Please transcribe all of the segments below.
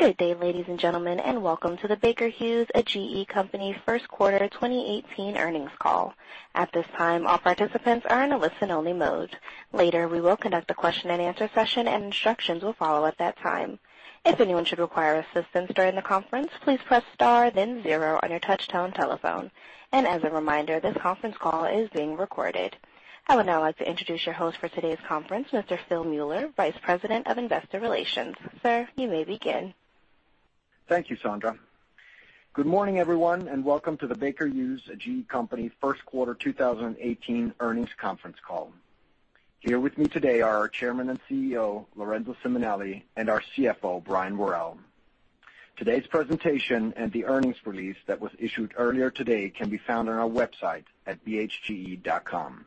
Good day, ladies and gentlemen, welcome to the Baker Hughes, a GE company, first quarter 2018 earnings call. At this time, all participants are in a listen only mode. Later, we will conduct a question and answer session, instructions will follow at that time. If anyone should require assistance during the conference, please press star then zero on your touchtone telephone. As a reminder, this conference call is being recorded. I would now like to introduce your host for today's conference, Mr. Phil Mueller, Vice President of Investor Relations. Sir, you may begin. Thank you, Sandra. Good morning, everyone, welcome to the Baker Hughes, a GE company, first quarter 2018 earnings conference call. Here with me today are our Chairman and CEO, Lorenzo Simonelli, our CFO, Brian Worrell. Today's presentation and the earnings release that was issued earlier today can be found on our website at bhge.com.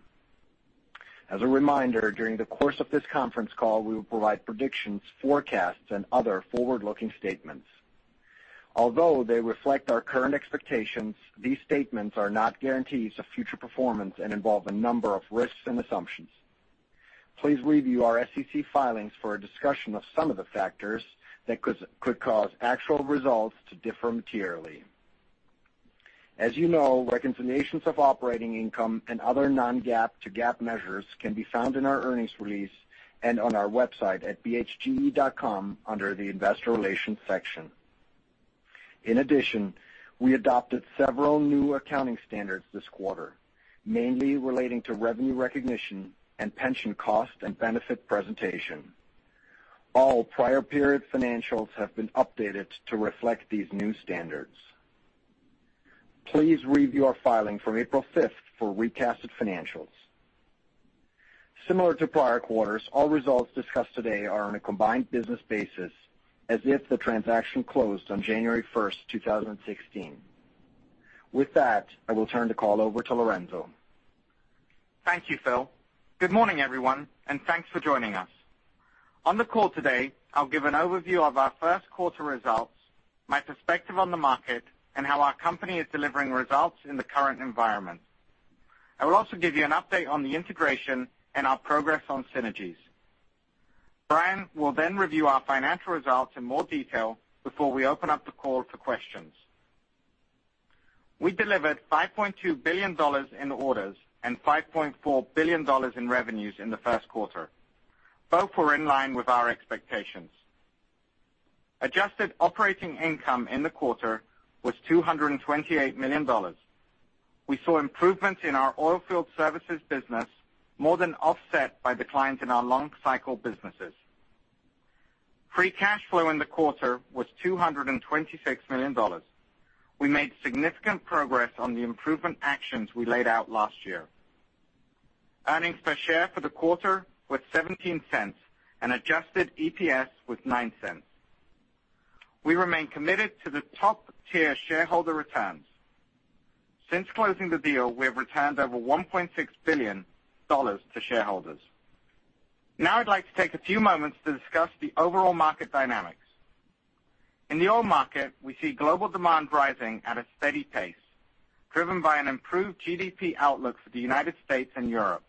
As a reminder, during the course of this conference call, we will provide predictions, forecasts, and other forward-looking statements. Although they reflect our current expectations, these statements are not guarantees of future performance and involve a number of risks and assumptions. Please review our SEC filings for a discussion of some of the factors that could cause actual results to differ materially. As you know, reconciliations of operating income and other non-GAAP to GAAP measures can be found in our earnings release and on our website at bhge.com under the investor relations section. In addition, we adopted several new accounting standards this quarter, mainly relating to revenue recognition and pension cost and benefit presentation. All prior period financials have been updated to reflect these new standards. Please review our filing from April 5th for recasted financials. Similar to prior quarters, all results discussed today are on a combined business basis as if the transaction closed on January 1st, 2016. With that, I will turn the call over to Lorenzo. Thank you, Phil. Good morning, everyone, thanks for joining us. On the call today, I'll give an overview of our first quarter results, my perspective on the market, how our company is delivering results in the current environment. I will also give you an update on the integration and our progress on synergies. Brian will review our financial results in more detail before we open up the call for questions. We delivered $5.2 billion in orders and $5.4 billion in revenues in the first quarter. Both were in line with our expectations. Adjusted operating income in the quarter was $228 million. We saw improvements in our oilfield services business more than offset by declines in our long cycle businesses. Free cash flow in the quarter was $226 million. We made significant progress on the improvement actions we laid out last year. Earnings per share for the quarter was $0.17, and adjusted EPS was $0.09. We remain committed to the top-tier shareholder returns. Since closing the deal, we have returned over $1.6 billion to shareholders. Now I'd like to take a few moments to discuss the overall market dynamics. In the oil market, we see global demand rising at a steady pace, driven by an improved GDP outlook for the U.S. and Europe.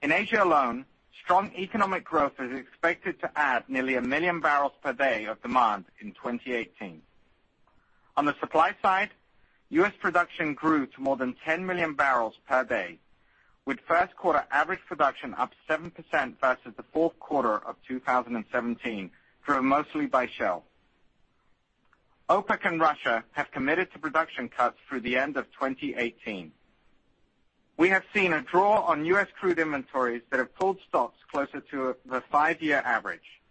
In Asia alone, strong economic growth is expected to add nearly a million barrels per day of demand in 2018. On the supply side, U.S. production grew to more than 10 million barrels per day, with first quarter average production up 7% versus the fourth quarter of 2017, driven mostly by Shell. OPEC and Russia have committed to production cuts through the end of 2018. We have seen a draw on U.S. crude inventories that have pulled stocks closer to the five-year average.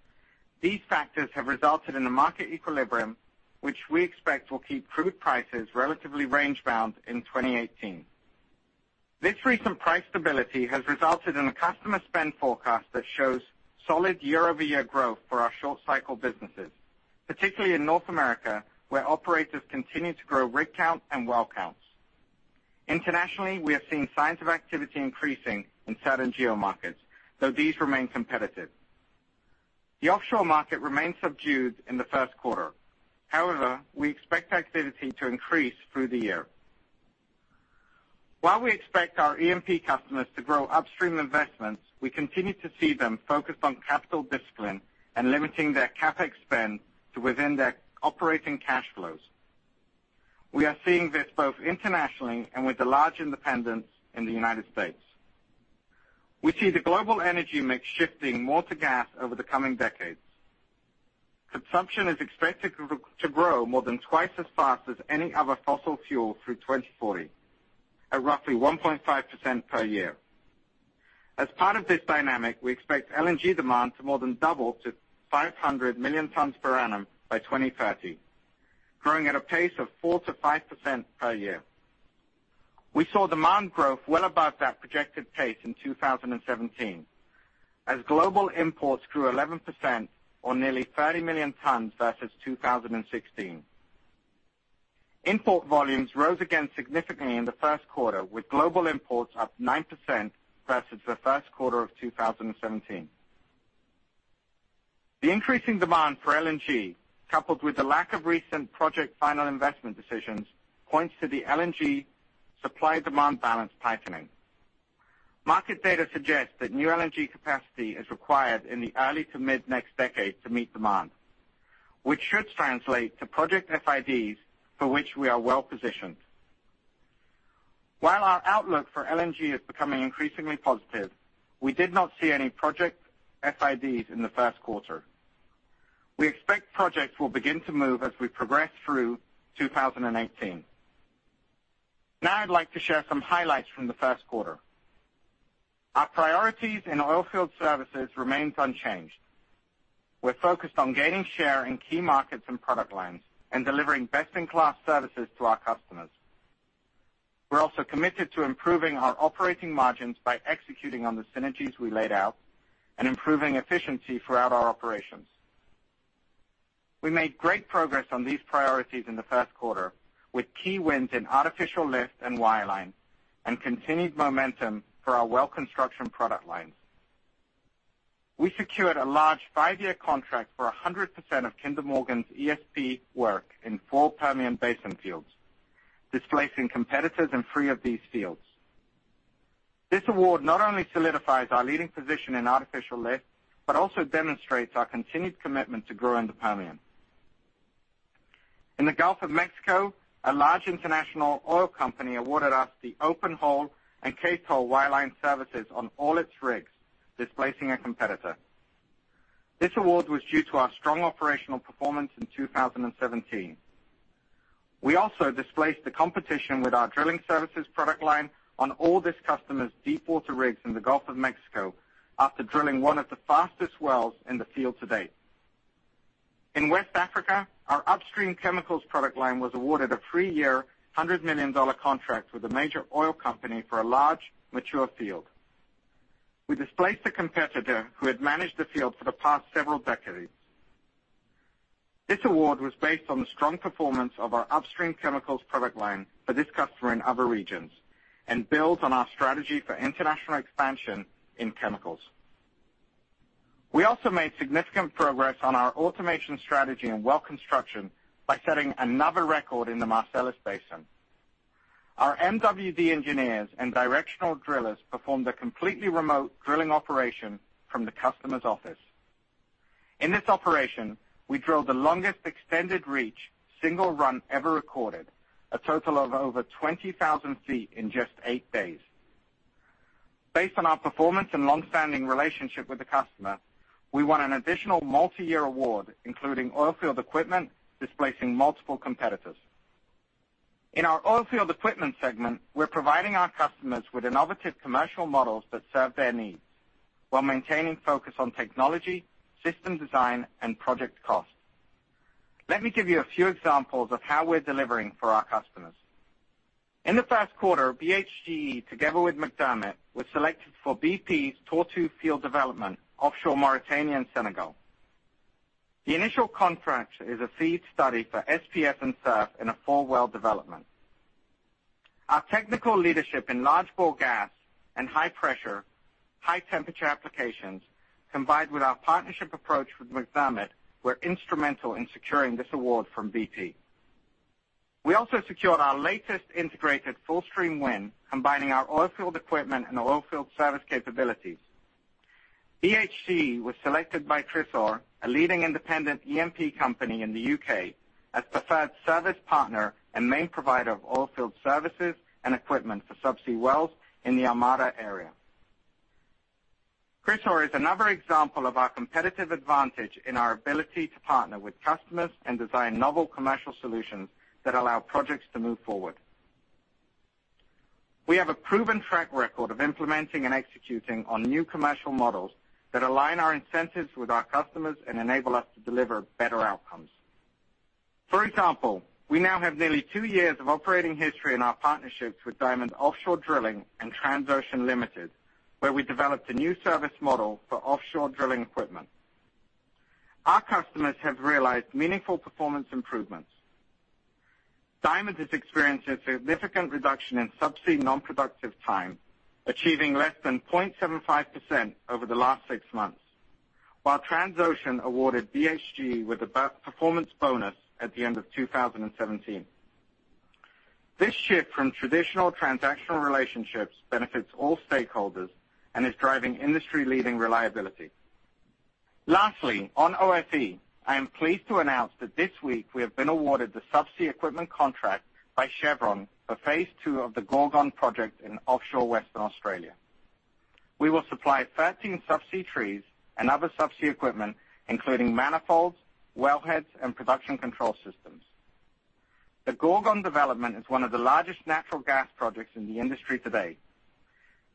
These factors have resulted in a market equilibrium, which we expect will keep crude prices relatively range bound in 2018. This recent price stability has resulted in a customer spend forecast that shows solid year-over-year growth for our short cycle businesses, particularly in North America, where operators continue to grow rig count and well counts. Internationally, we have seen signs of activity increasing in certain geo markets, though these remain competitive. The offshore market remained subdued in the first quarter. However, we expect activity to increase through the year. While we expect our E&P customers to grow upstream investments, we continue to see them focused on capital discipline and limiting their CapEx spend to within their operating cash flows. We are seeing this both internationally and with the large independents in the United States. We see the global energy mix shifting more to gas over the coming decades. Consumption is expected to grow more than twice as fast as any other fossil fuel through 2040, at roughly 1.5% per year. As part of this dynamic, we expect LNG demand to more than double to 500 million tons per annum by 2030, growing at a pace of 4%-5% per year. We saw demand growth well above that projected pace in 2017, as global imports grew 11%, or nearly 30 million tons versus 2016. Import volumes rose again significantly in the first quarter, with global imports up 9% versus the first quarter of 2017. The increasing demand for LNG, coupled with the lack of recent project Final Investment Decisions, points to the LNG supply-demand balance tightening. Market data suggests that new LNG capacity is required in the early to mid next decade to meet demand, which should translate to project FIDs for which we are well-positioned. While our outlook for LNG is becoming increasingly positive, we did not see any project FIDs in the first quarter. We expect projects will begin to move as we progress through 2018. Now I'd like to share some highlights from the first quarter. Our priorities in oilfield services remains unchanged. We're focused on gaining share in key markets and product lines and delivering best-in-class services to our customers. We're also committed to improving our operating margins by executing on the synergies we laid out and improving efficiency throughout our operations. We made great progress on these priorities in the first quarter with key wins in artificial lift and wireline and continued momentum for our well construction product lines. We secured a large five-year contract for 100% of Kinder Morgan's ESP work in four Permian Basin fields, displacing competitors in three of these fields. This award not only solidifies our leading position in artificial lift, but also demonstrates our continued commitment to grow in the Permian. In the Gulf of Mexico, a large international oil company awarded us the open hole and casehole wireline services on all its rigs, displacing a competitor. This award was due to our strong operational performance in 2017. We also displaced the competition with our drilling services product line on all this customer's deepwater rigs in the Gulf of Mexico after drilling one of the fastest wells in the field to date. In West Africa, our upstream chemicals product line was awarded a three-year, $100 million contract with a major oil company for a large, mature field. We displaced a competitor who had managed the field for the past several decades. This award was based on the strong performance of our upstream chemicals product line for this customer in other regions and builds on our strategy for international expansion in chemicals. We also made significant progress on our automation strategy and well construction by setting another record in the Marcellus Basin. Our MWD engineers and directional drillers performed a completely remote drilling operation from the customer's office. In this operation, we drilled the longest extended-reach single run ever recorded, a total of over 20,000 feet in just eight days. Based on our performance and long-standing relationship with the customer, we won an additional multi-year award, including oilfield equipment, displacing multiple competitors. In our oilfield equipment segment, we're providing our customers with innovative commercial models that serve their needs while maintaining focus on technology, system design, and project cost. Let me give you a few examples of how we're delivering for our customers. In the first quarter, BHGE, together with McDermott, was selected for BP's Tortue field development offshore Mauritania and Senegal. The initial contract is a FEED study for SPS and SURF in a four-well development. Our technical leadership in large bore gas and high pressure, high temperature applications, combined with our partnership approach with McDermott, were instrumental in securing this award from BP. We also secured our latest integrated fullstream win, combining our oilfield equipment and oilfield service capabilities. BHGE was selected by Chrysaor, a leading independent E&P company in the U.K., as preferred service partner and main provider of oilfield services and equipment for subsea wells in the Armada Area. Chrysaor is another example of our competitive advantage in our ability to partner with customers and design novel commercial solutions that allow projects to move forward. We have a proven track record of implementing and executing on new commercial models that align our incentives with our customers and enable us to deliver better outcomes. For example, we now have nearly two years of operating history in our partnerships with Diamond Offshore Drilling and Transocean Limited, where we developed a new service model for offshore drilling equipment. Our customers have realized meaningful performance improvements. Diamond has experienced a significant reduction in subsea non-productive time, achieving less than 0.75% over the last six months. Transocean awarded BHGE with a performance bonus at the end of 2017. This shift from traditional transactional relationships benefits all stakeholders and is driving industry-leading reliability. Lastly, on OFE, I am pleased to announce that this week we have been awarded the subsea equipment contract by Chevron for phase 2 of the Gorgon project in offshore Western Australia. We will supply 13 subsea trees and other subsea equipment, including manifolds, wellheads, and production control systems. The Gorgon development is one of the largest natural gas projects in the industry to date.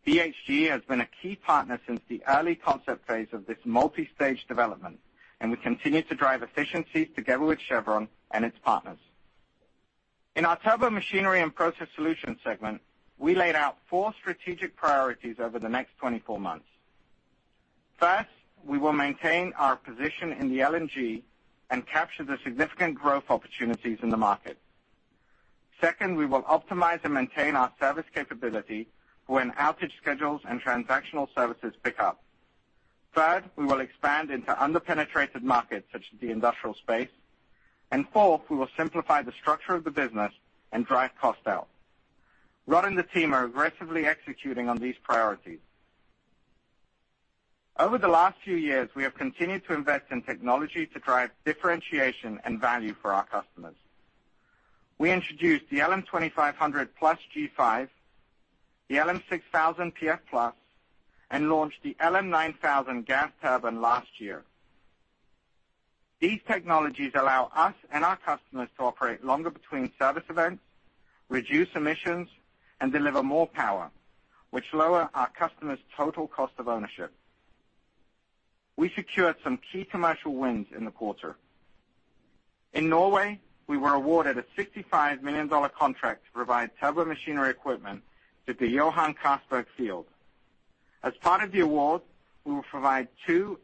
BHGE has been a key partner since the early concept phase of this multi-stage development, and we continue to drive efficiencies together with Chevron and its partners. In our Turbomachinery and Process Solutions segment, we laid out four strategic priorities over the next 24 months. First, we will maintain our position in the LNG and capture the significant growth opportunities in the market. Second, we will optimize and maintain our service capability for when outage schedules and transactional services pick up. Third, we will expand into under-penetrated markets such as the industrial space. Fourth, we will simplify the structure of the business and drive costs out. Rod and the team are aggressively executing on these priorities. Over the last few years, we have continued to invest in technology to drive differentiation and value for our customers. We introduced the LM2500+G5, the LM6000PF+, and launched the LM9000 gas turbine last year. These technologies allow us and our customers to operate longer between service events, reduce emissions, and deliver more power, which lower our customers' total cost of ownership. We secured some key commercial wins in the quarter. In Norway, we were awarded a $65 million contract to provide Turbomachinery equipment to the Johan Castberg Field. As part of the award, we will provide two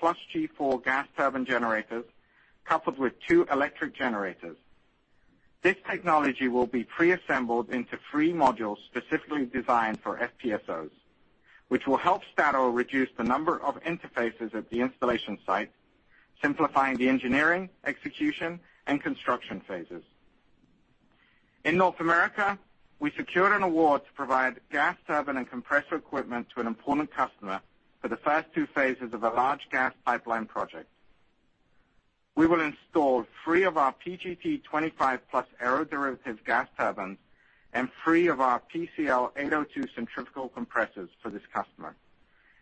LM2500+G4 gas turbine generators coupled with two electric generators. This technology will be preassembled into three modules specifically designed for FPSOs, which will help Statoil reduce the number of interfaces at the installation site, simplifying the engineering, execution, and construction phases. In North America, we secured an award to provide gas turbine and compressor equipment to an important customer for the first 2 phases of a large gas pipeline project. We will install three of our PGT25+ aero-derivative gas turbines and three of our PCL802 centrifugal compressors for this customer,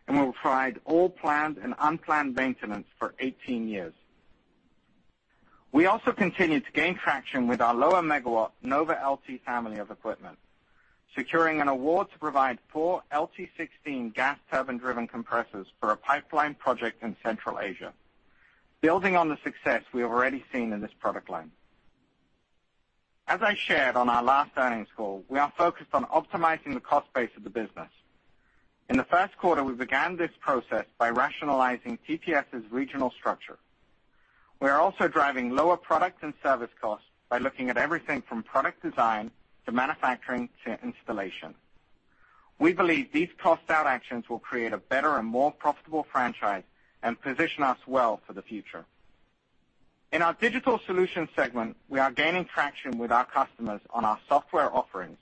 and we will provide all planned and unplanned maintenance for 18 years. We also continue to gain traction with our lower megawatt NovaLT family of equipment, securing an award to provide four LT16 gas turbine-driven compressors for a pipeline project in Central Asia, building on the success we have already seen in this product line. As I shared on our last earnings call, we are focused on optimizing the cost base of the business. In the first quarter, we began this process by rationalizing TPS' regional structure. We are also driving lower product and service costs by looking at everything from product design to manufacturing to installation. We believe these cost-out actions will create a better and more profitable franchise and position us well for the future. In our Digital Solutions segment, we are gaining traction with our customers on our software offerings,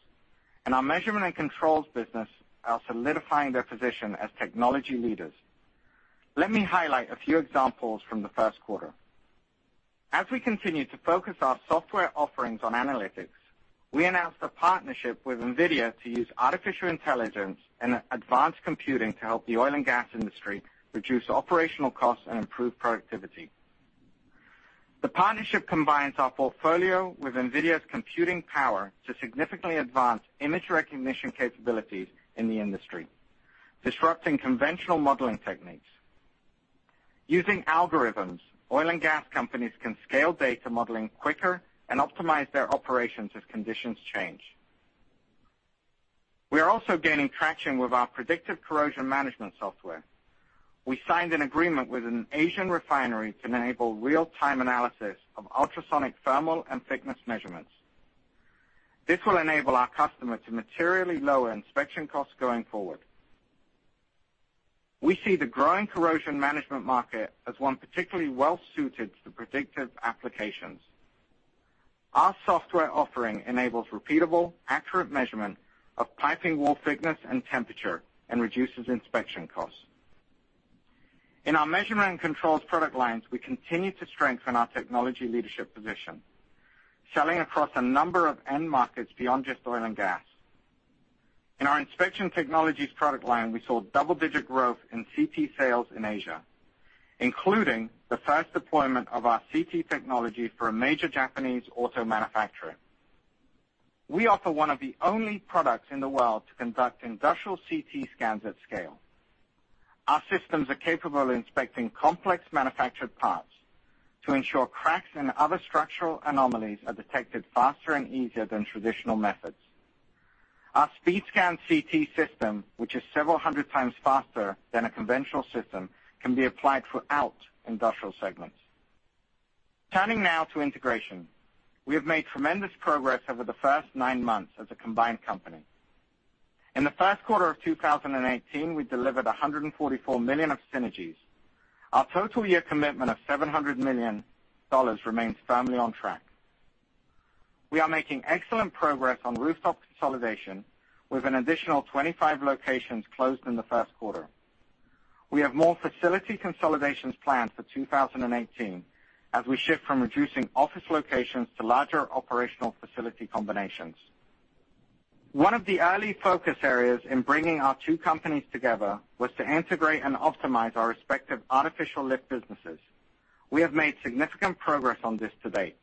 and our measurement and controls business are solidifying their position as technology leaders. Let me highlight a few examples from the first quarter. As we continue to focus our software offerings on analytics, we announced a partnership with NVIDIA to use artificial intelligence and advanced computing to help the oil and gas industry reduce operational costs and improve productivity. The partnership combines our portfolio with NVIDIA's computing power to significantly advance image recognition capabilities in the industry, disrupting conventional modeling techniques. Using algorithms, oil and gas companies can scale data modeling quicker and optimize their operations as conditions change. We are also gaining traction with our predictive corrosion management software. We signed an agreement with an Asian refinery to enable real-time analysis of ultrasonic thermal and thickness measurements. This will enable our customer to materially lower inspection costs going forward. We see the growing corrosion management market as one particularly well-suited to predictive applications. Our software offering enables repeatable, accurate measurement of piping wall thickness and temperature and reduces inspection costs. In our measurement and controls product lines, we continue to strengthen our technology leadership position, selling across a number of end markets beyond just oil and gas. In our inspection technologies product line, we saw double-digit growth in CT sales in Asia, including the first deployment of our CT technology for a major Japanese auto manufacturer. We offer one of the only products in the world to conduct industrial CT scans at scale. Our systems are capable of inspecting complex manufactured parts to ensure cracks and other structural anomalies are detected faster and easier than traditional methods. Our Speed|scan CT system, which is several hundred times faster than a conventional system, can be applied throughout industrial segments. Turning now to integration. We have made tremendous progress over the first nine months as a combined company. In the first quarter of 2018, we delivered $144 million of synergies. Our total year commitment of $700 million remains firmly on track. We are making excellent progress on rooftop consolidation, with an additional 25 locations closed in the first quarter. We have more facility consolidations planned for 2018 as we shift from reducing office locations to larger operational facility combinations. One of the early focus areas in bringing our two companies together was to integrate and optimize our respective artificial lift businesses. We have made significant progress on this to date.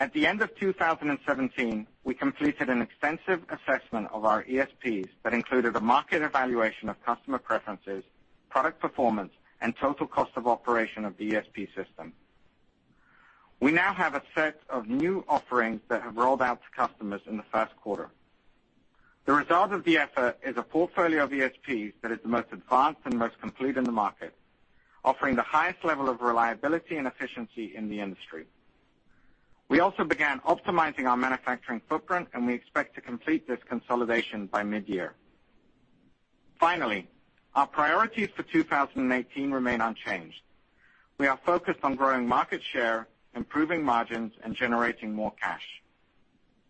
At the end of 2017, we completed an extensive assessment of our ESPs that included a market evaluation of customer preferences, product performance, and total cost of operation of the ESP system. We now have a set of new offerings that have rolled out to customers in the first quarter. The result of the effort is a portfolio of ESPs that is the most advanced and most complete in the market, offering the highest level of reliability and efficiency in the industry. We also began optimizing our manufacturing footprint, and we expect to complete this consolidation by mid-year. Finally, our priorities for 2018 remain unchanged. We are focused on growing market share, improving margins, and generating more cash.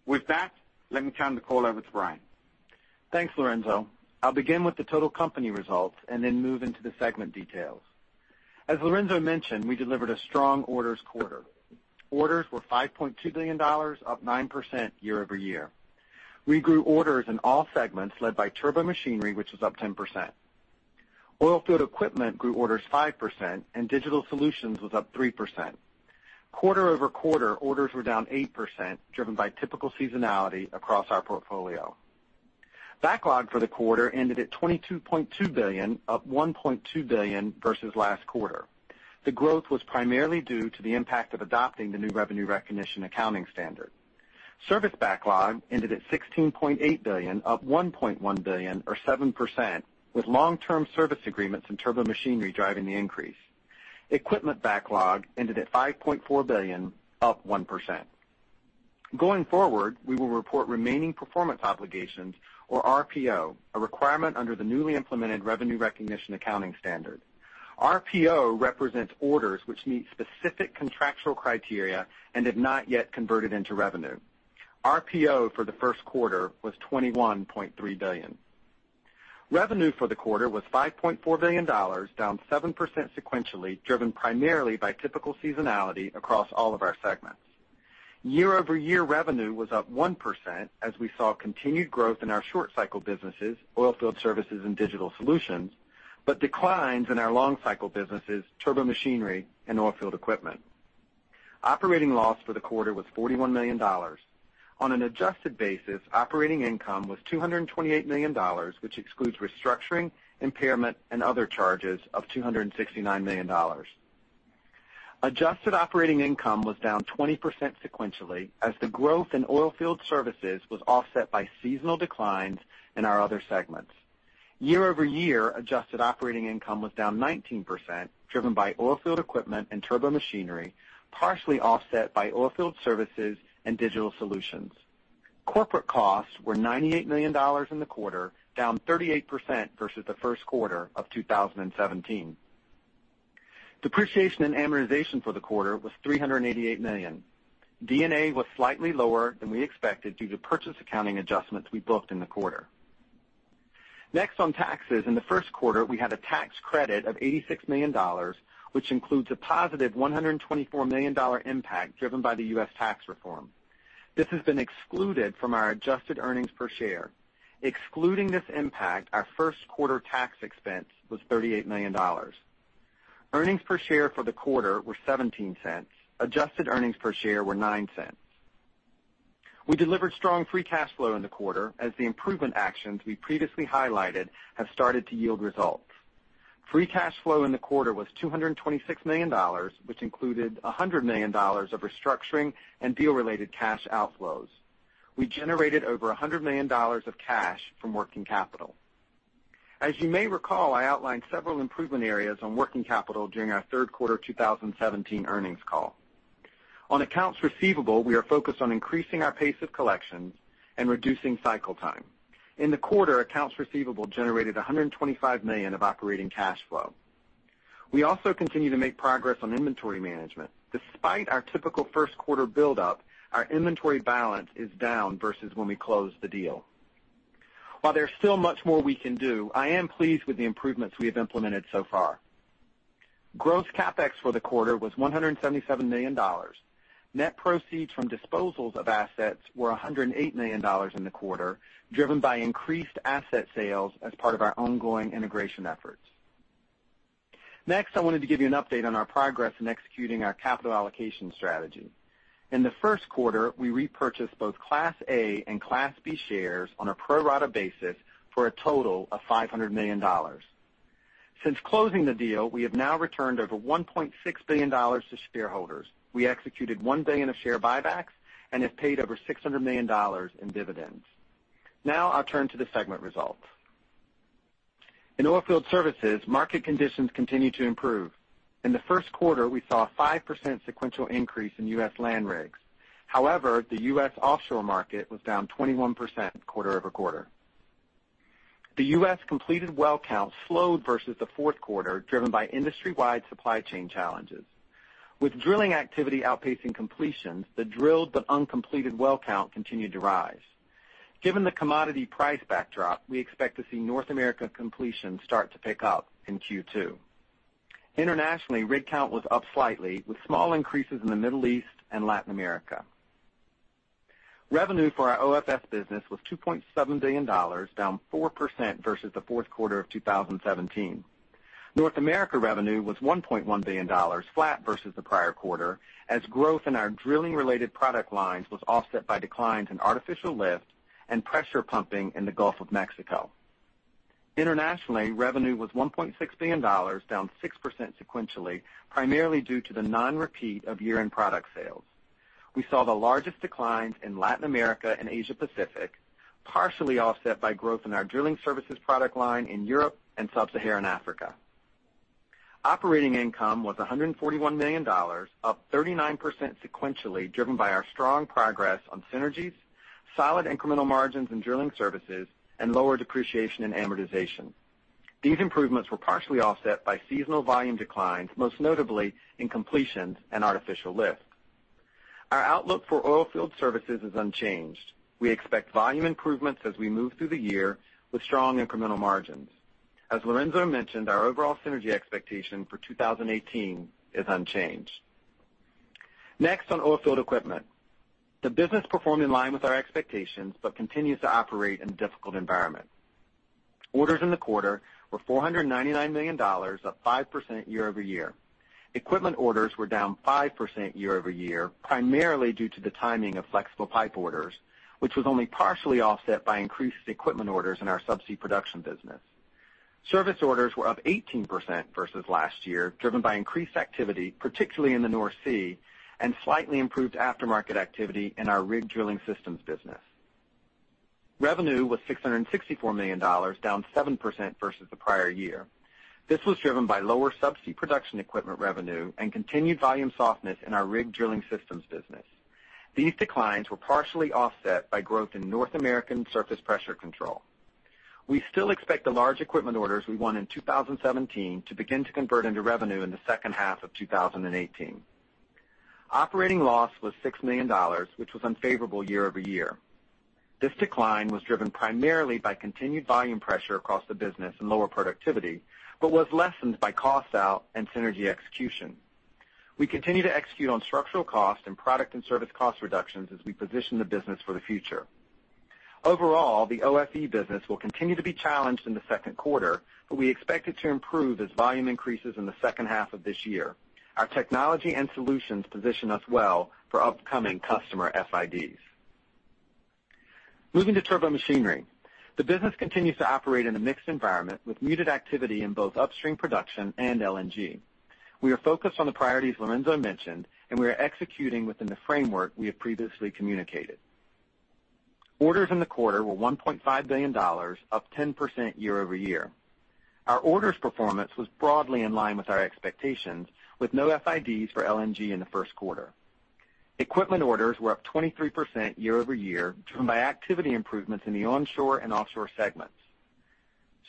With that, let me turn the call over to Brian. Thanks, Lorenzo. I'll begin with the total company results and then move into the segment details. As Lorenzo mentioned, we delivered a strong orders quarter. Orders were $5.2 billion, up 9% year-over-year. We grew orders in all segments led by Turbomachinery, which was up 10%. Oilfield Equipment grew orders 5% and Digital Solutions was up 3%. Quarter-over-quarter, orders were down 8%, driven by typical seasonality across our portfolio. Backlog for the quarter ended at $22.2 billion, up $1.2 billion versus last quarter. The growth was primarily due to the impact of adopting the new revenue recognition accounting standard. Service backlog ended at $16.8 billion, up $1.1 billion, or 7%, with long-term service agreements in Turbomachinery driving the increase. Equipment backlog ended at $5.4 billion, up 1%. Going forward, we will report remaining performance obligations, or RPO, a requirement under the newly implemented revenue recognition accounting standard. RPO represents orders which meet specific contractual criteria and have not yet converted into revenue. RPO for the first quarter was $21.3 billion. Revenue for the quarter was $5.4 billion, down 7% sequentially, driven primarily by typical seasonality across all of our segments. Year-over-year, revenue was up 1% as we saw continued growth in our short cycle businesses, Oilfield Services and Digital Solutions, but declines in our long cycle businesses, Turbomachinery and Oilfield Equipment. Operating loss for the quarter was $41 million. On an adjusted basis, operating income was $228 million, which excludes restructuring, impairment, and other charges of $269 million. Adjusted operating income was down 20% sequentially, as the growth in Oilfield Services was offset by seasonal declines in our other segments. Year-over-year, adjusted operating income was down 19%, driven by Oilfield Equipment and Turbomachinery, partially offset by Oilfield Services and Digital Solutions. Corporate costs were $98 million in the quarter, down 38% versus the first quarter of 2017. Depreciation and amortization for the quarter was $388 million. D&A was slightly lower than we expected due to purchase accounting adjustments we booked in the quarter. Next on taxes, in the first quarter, we had a tax credit of $86 million, which includes a positive $124 million impact driven by the U.S. tax reform. This has been excluded from our adjusted earnings per share. Excluding this impact, our first quarter tax expense was $38 million. Earnings per share for the quarter were $0.17. Adjusted earnings per share were $0.09. We delivered strong free cash flow in the quarter as the improvement actions we previously highlighted have started to yield results. Free cash flow in the quarter was $226 million, which included $100 million of restructuring and deal-related cash outflows. We generated over $100 million of cash from working capital. As you may recall, I outlined several improvement areas on working capital during our third quarter 2017 earnings call. On accounts receivable, we are focused on increasing our pace of collections and reducing cycle time. In the quarter, accounts receivable generated $125 million of operating cash flow. We also continue to make progress on inventory management. Despite our typical first quarter buildup, our inventory balance is down versus when we closed the deal. While there's still much more we can do, I am pleased with the improvements we have implemented so far. Gross CapEx for the quarter was $177 million. Net proceeds from disposals of assets were $108 million in the quarter, driven by increased asset sales as part of our ongoing integration efforts. I wanted to give you an update on our progress in executing our capital allocation strategy. In the first quarter, we repurchased both Class A and Class B shares on a pro rata basis for a total of $500 million. Since closing the deal, we have now returned over $1.6 billion to shareholders. We executed $1 billion of share buybacks and have paid over $600 million in dividends. I'll turn to the segment results. In Oilfield Services, market conditions continue to improve. In the first quarter, we saw a 5% sequential increase in U.S. land rigs. However, the U.S. offshore market was down 21% quarter-over-quarter. The U.S. completed well count slowed versus the fourth quarter, driven by industry-wide supply chain challenges. With drilling activity outpacing completions, the drilled but uncompleted well count continued to rise. Given the commodity price backdrop, we expect to see North America completion start to pick up in Q2. Internationally, rig count was up slightly, with small increases in the Middle East and Latin America. Revenue for our OFS business was $2.7 billion, down 4% versus the fourth quarter of 2017. North America revenue was $1.1 billion, flat versus the prior quarter, as growth in our drilling-related product lines was offset by declines in artificial lift and pressure pumping in the Gulf of Mexico. Internationally, revenue was $1.6 billion, down 6% sequentially, primarily due to the non-repeat of year-end product sales. We saw the largest declines in Latin America and Asia Pacific, partially offset by growth in our drilling services product line in Europe and sub-Saharan Africa. Operating income was $141 million, up 39% sequentially, driven by our strong progress on synergies, solid incremental margins in drilling services, and lower depreciation and amortization. These improvements were partially offset by seasonal volume declines, most notably in completions and artificial lift. Our outlook for oilfield services is unchanged. We expect volume improvements as we move through the year with strong incremental margins. As Lorenzo mentioned, our overall synergy expectation for 2018 is unchanged. On oilfield equipment. The business performed in line with our expectations but continues to operate in a difficult environment. Orders in the quarter were $499 million, up 5% year-over-year. Equipment orders were down 5% year-over-year, primarily due to the timing of flexible pipe orders, which was only partially offset by increased equipment orders in our subsea production business. Service orders were up 18% versus last year, driven by increased activity, particularly in the North Sea, and slightly improved aftermarket activity in our rig drilling systems business. Revenue was $664 million, down 7% versus the prior year. This was driven by lower subsea production equipment revenue and continued volume softness in our rig drilling systems business. These declines were partially offset by growth in North American surface pressure control. We still expect the large equipment orders we won in 2017 to begin to convert into revenue in the second half of 2018. Operating loss was $6 million, which was unfavorable year-over-year. This decline was driven primarily by continued volume pressure across the business and lower productivity, but was lessened by cost out and synergy execution. We continue to execute on structural cost and product and service cost reductions as we position the business for the future. Overall, the OFE business will continue to be challenged in the second quarter, but we expect it to improve as volume increases in the second half of this year. Our technology and solutions position us well for upcoming customer FIDs. Moving to Turbomachinery. The business continues to operate in a mixed environment, with muted activity in both upstream production and LNG. We are focused on the priorities Lorenzo mentioned, and we are executing within the framework we have previously communicated. Orders in the quarter were $1.5 billion, up 10% year-over-year. Our orders performance was broadly in line with our expectations, with no FIDs for LNG in the first quarter. Equipment orders were up 23% year-over-year, driven by activity improvements in the onshore and offshore segments.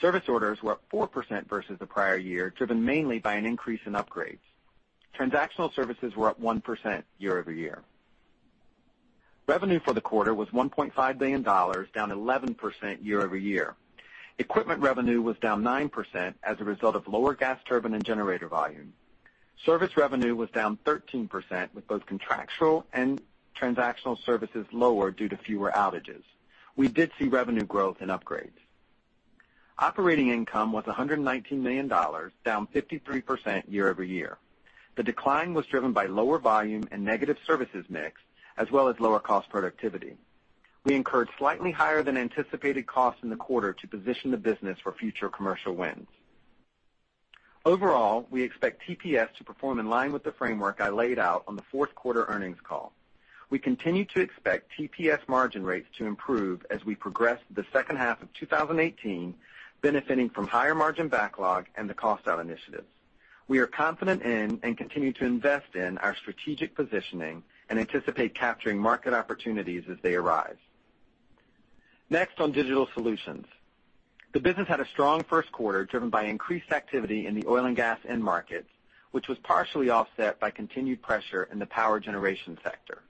Service orders were up 4% versus the prior year, driven mainly by an increase in upgrades. Transactional services were up 1% year-over-year. Revenue for the quarter was $1.5 billion, down 11% year-over-year. Equipment revenue was down 9% as a result of lower gas turbine and generator volume. Service revenue was down 13%, with both contractual and transactional services lower due to fewer outages. We did see revenue growth in upgrades. Operating income was $119 million, down 53% year-over-year. The decline was driven by lower volume and negative services mix, as well as lower cost productivity. We incurred slightly higher than anticipated costs in the quarter to position the business for future commercial wins. Overall, we expect TPS to perform in line with the framework I laid out on the fourth quarter earnings call. We continue to expect TPS margin rates to improve as we progress through the second half of 2018, benefiting from higher margin backlog and the cost out initiatives. We are confident in and continue to invest in our strategic positioning and anticipate capturing market opportunities as they arise. Next, on Digital Solutions. The business had a strong first quarter, driven by increased activity in the oil and gas end markets, which was partially offset by continued pressure in the power generation sector.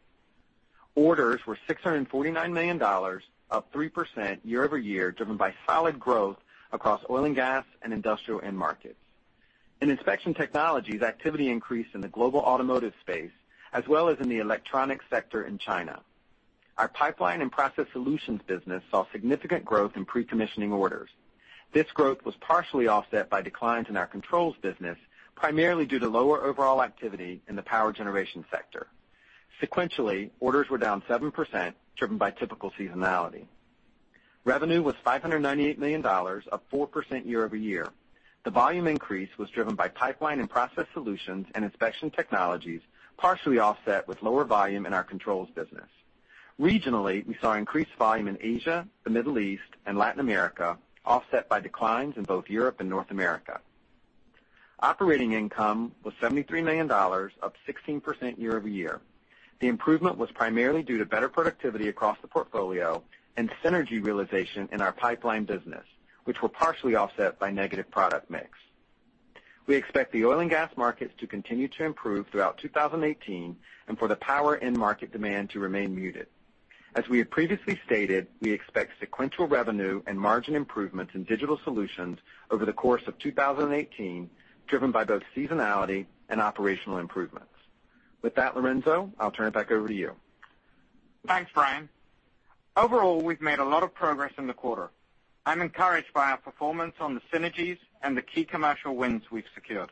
Orders were $649 million, up 3% year-over-year, driven by solid growth across oil and gas and industrial end markets. In Inspection Technologies, activity increased in the global automotive space as well as in the electronic sector in China. Our Pipeline and Process Solutions business saw significant growth in pre-commissioning orders. This growth was partially offset by declines in our controls business, primarily due to lower overall activity in the power generation sector. Sequentially, orders were down 7%, driven by typical seasonality. Revenue was $598 million, up 4% year-over-year. The volume increase was driven by Pipeline and Process Solutions and Inspection Technologies, partially offset with lower volume in our controls business. Regionally, we saw increased volume in Asia, the Middle East, and Latin America, offset by declines in both Europe and North America. Operating income was $73 million, up 16% year-over-year. The improvement was primarily due to better productivity across the portfolio and synergy realization in our pipeline business, which were partially offset by negative product mix. We expect the oil and gas markets to continue to improve throughout 2018 and for the power end market demand to remain muted. As we have previously stated, we expect sequential revenue and margin improvements in Digital Solutions over the course of 2018, driven by both seasonality and operational improvements. With that, Lorenzo, I'll turn it back over to you. Thanks, Brian. Overall, we've made a lot of progress in the quarter. I'm encouraged by our performance on the synergies and the key commercial wins we've secured.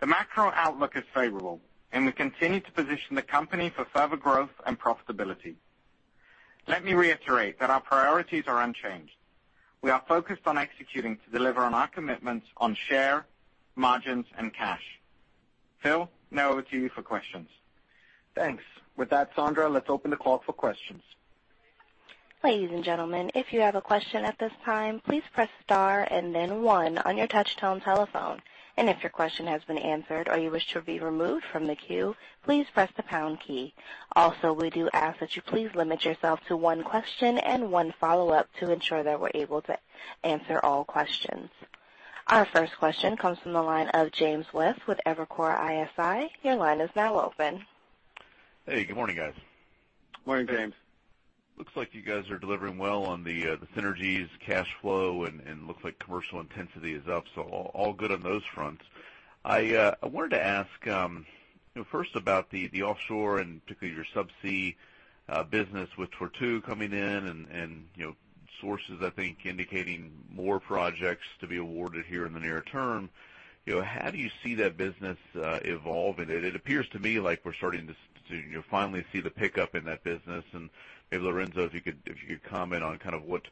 The macro outlook is favorable, and we continue to position the company for further growth and profitability. Let me reiterate that our priorities are unchanged. We are focused on executing to deliver on our commitments on share, margins, and cash. Phil, now over to you for questions. Thanks. With that, Sandra, let's open the clock for questions. Ladies and gentlemen, if you have a question at this time, please press star and then one on your touchtone telephone. If your question has been answered or you wish to be removed from the queue, please press the pound key. Also, we do ask that you please limit yourself to one question and one follow-up to ensure that we're able to answer all questions. Our first question comes from the line of James West with Evercore ISI. Your line is now open. Hey, good morning, guys. Morning, James. Looks like you guys are delivering well on the synergies, cash flow, and it looks like commercial intensity is up. All good on those fronts. I wanted to ask, first about the offshore and particularly your subsea business with Tortue coming in and sources, I think, indicating more projects to be awarded here in the near term. How do you see that business evolving? It appears to me like we're starting to finally see the pickup in that business. Maybe Lorenzo, if you could comment on what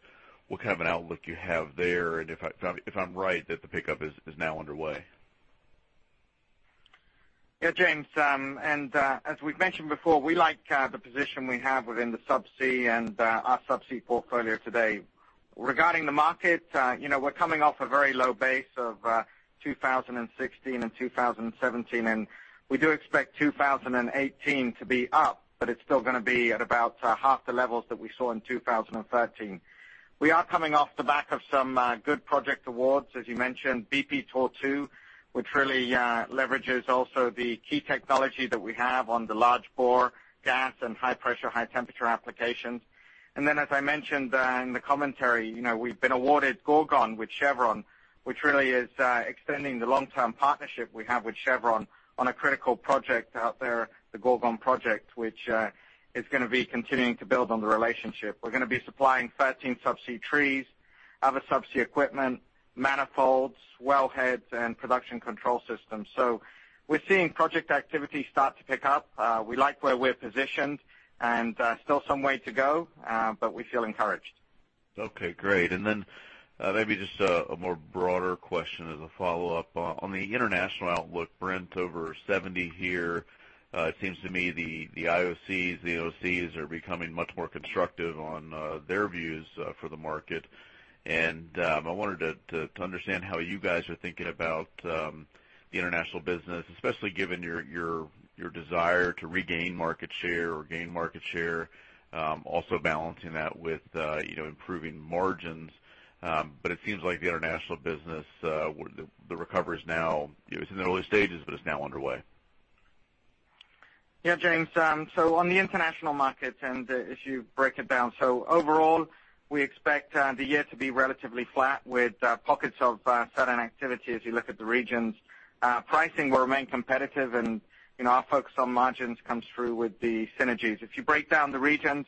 kind of an outlook you have there, and if I'm right, that the pickup is now underway. Yeah, James. As we've mentioned before, we like the position we have within the subsea and our subsea portfolio today. Regarding the market, we're coming off a very low base of 2016 and 2017, and we do expect 2018 to be up, but it's still going to be at about half the levels that we saw in 2013. We are coming off the back of some good project awards, as you mentioned, BP Tortue, which really leverages also the key technology that we have on the large bore gas and high pressure, high temperature applications. As I mentioned in the commentary, we've been awarded Gorgon with Chevron, which really is extending the long-term partnership we have with Chevron on a critical project out there, the Gorgon project, which is going to be continuing to build on the relationship. We're going to be supplying 13 subsea trees, other subsea equipment, manifolds, wellheads, and production control systems. We're seeing project activity start to pick up. We like where we're positioned, and still some way to go, but we feel encouraged. Okay, great. Then maybe just a more broader question as a follow-up. On the international outlook, Brent over $70 here. It seems to me the IOCs, the NOCs are becoming much more constructive on their views for the market. I wanted to understand how you guys are thinking about the international business, especially given your desire to regain market share or gain market share, also balancing that with improving margins. It seems like the international business, the recovery is in the early stages, but it's now underway. Yeah, James. On the international markets, and if you break it down. Overall, we expect the year to be relatively flat with pockets of certain activity as you look at the regions. Pricing will remain competitive and our focus on margins comes through with the synergies. If you break down the regions,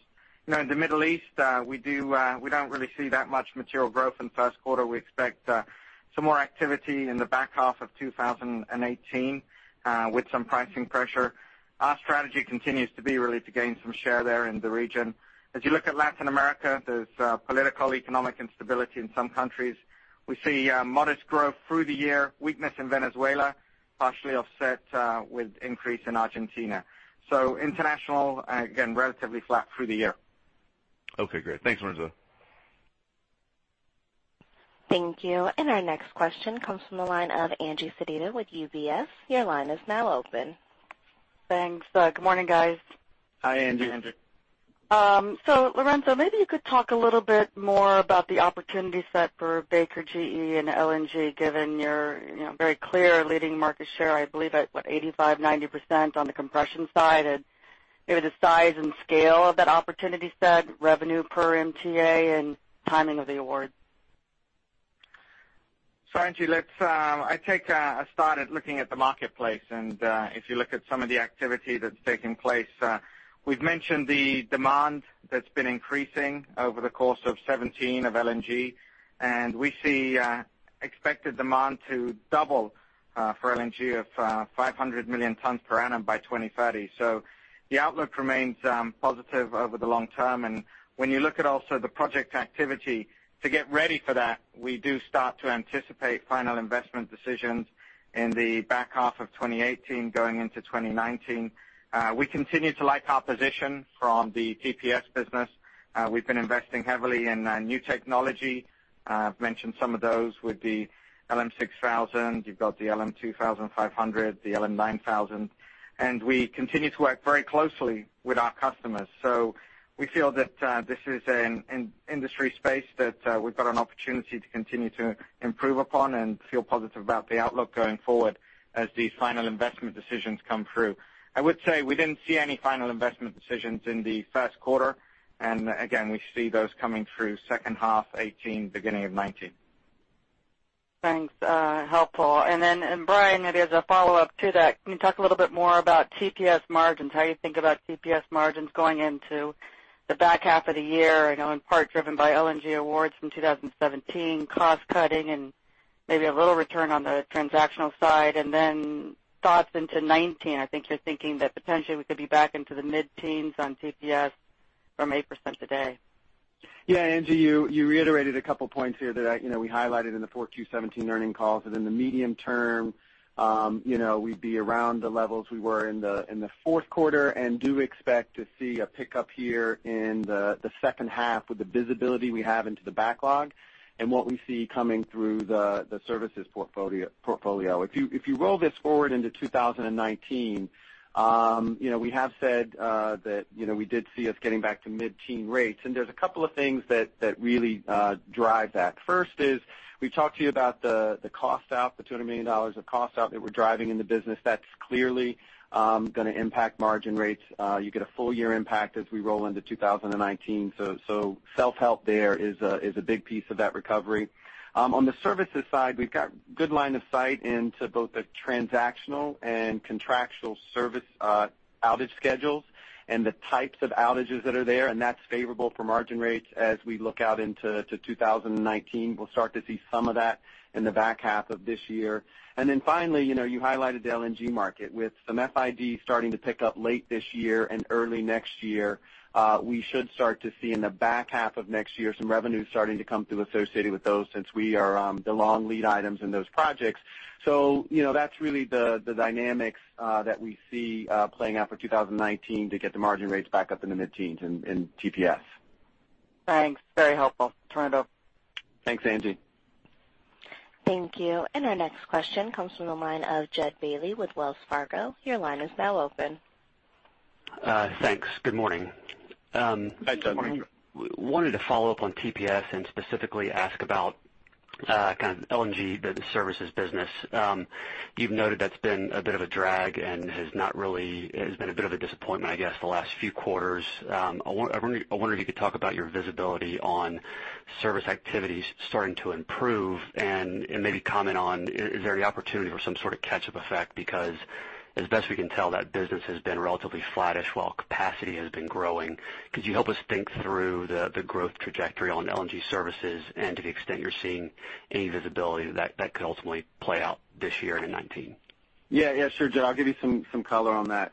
in the Middle East, we don't really see that much material growth in the first quarter. We expect some more activity in the back half of 2018, with some pricing pressure. Our strategy continues to be really to gain some share there in the region. As you look at Latin America, there's political, economic instability in some countries. We see modest growth through the year, weakness in Venezuela, partially offset with increase in Argentina. International, again, relatively flat through the year. Okay, great. Thanks, Lorenzo. Thank you. Our next question comes from the line of Angie Sedita with UBS. Your line is now open. Thanks. Good morning, guys. Hi, Angie. Hi, Angie. Lorenzo, maybe you could talk a little bit more about the opportunity set for BHGE and LNG, given your very clear leading market share, I believe at, what, 85%-90% on the compression side? Maybe the size and scale of that opportunity set, revenue per MTPA, and timing of the awards. Angie, I take a start at looking at the marketplace, and if you look at some of the activity that's taking place, we've mentioned the demand that's been increasing over the course of 2017 of LNG, and we see expected demand to double for LNG of 500 million tons per annum by 2030. The outlook remains positive over the long term. When you look at also the project activity to get ready for that, we do start to anticipate final investment decisions in the back half of 2018 going into 2019. We continue to like our position from the TPS business. We've been investing heavily in new technology. I've mentioned some of those with the LM6000. You've got the LM2500, the LM9000. We continue to work very closely with our customers. We feel that this is an industry space that we've got an opportunity to continue to improve upon and feel positive about the outlook going forward as these final investment decisions come through. I would say we didn't see any final investment decisions in the first quarter. Again, we see those coming through second half 2018, beginning of 2019. Thanks. Helpful. Then, Brian, I guess a follow-up to that. Can you talk a little bit more about TPS margins, how you think about TPS margins going into the back half of the year, in part driven by LNG awards from 2017, cost cutting, and maybe a little return on the transactional side? Then thoughts into 2019. I think you're thinking that potentially we could be back into the mid-teens on TPS from 8% today. Angie, you reiterated a couple points here that we highlighted in the Q4 2017 earnings call that in the medium term we'd be around the levels we were in the fourth quarter and do expect to see a pickup here in the second half with the visibility we have into the backlog and what we see coming through the services portfolio. If you roll this forward into 2019, we have said that we did see us getting back to mid-teen rates, and there's a couple of things that really drive that. First is we talked to you about the cost out, the $200 million of cost out that we're driving in the business. That's clearly going to impact margin rates. You get a full year impact as we roll into 2019. Self-help there is a big piece of that recovery. On the services side, we've got good line of sight into both the transactional and contractual service outage schedules and the types of outages that are there, and that's favorable for margin rates as we look out into 2019. We'll start to see some of that in the back half of this year. Finally, you highlighted the LNG market. With some FID starting to pick up late this year and early next year, we should start to see in the back half of next year some revenue starting to come through associated with those since we are the long lead items in those projects. That's really the dynamics that we see playing out for 2019 to get the margin rates back up in the mid-teens in TPS. Thanks. Very helpful. Turn it over. Thanks, Angie. Thank you. Our next question comes from the line of Jud Bailey with Wells Fargo. Your line is now open. Thanks. Good morning. Hi, Jud. Wanted to follow up on TPS and specifically ask about kind of the LNG services business. You've noted that's been a bit of a drag and has been a bit of a disappointment, I guess, the last few quarters. I wonder if you could talk about your visibility on service activities starting to improve and maybe comment on, is there the opportunity for some sort of catch-up effect? Because as best we can tell, that business has been relatively flattish while capacity has been growing. Could you help us think through the growth trajectory on LNG services and to the extent you're seeing any visibility that could ultimately play out this year in 2019? Sure, Jud. I'll give you some color on that.